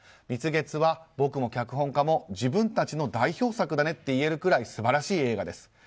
「蜜月」は僕も脚本家も自分たちの代表作だねと言えるぐらい素晴らしい映画です。